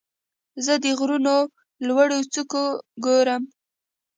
زه د غرونو لوړې څوکې ګورم.